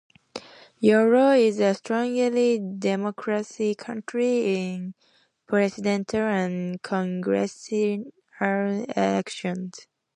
Yolo is a strongly Democratic county in Presidential and congressional elections.